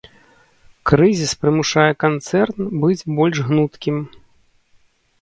Крызіс прымушае канцэрн быць больш гнуткім.